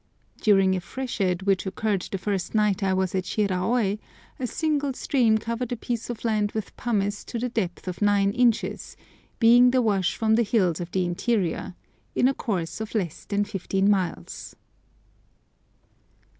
During a freshet which occurred the first night I was at Shiraôi, a single stream covered a piece of land with pumice to the depth of nine inches, being the wash from the hills of the interior, in a course of less than fifteen miles.